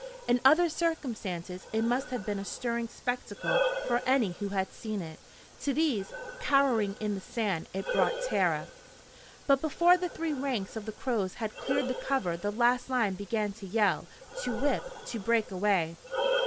In other circumstances it must have been a stirring spectacle for any who had seen it. To these, cowering in the sand, it brought terror. But before the three ranks of the Crows had cleared the cover the last line began to yell, to whip, to break away.